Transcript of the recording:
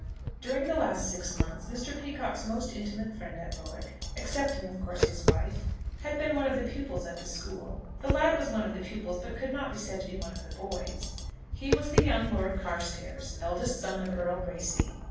DURING the last six months Mr. Peacocke's most intimate friend at Bowick, excepting of course his wife, had been one of the pupils at the school. The lad was one of the pupils, but could not be said to be one of the boys. He was the young Lord Carstairs, eldest son of Earl Bracy.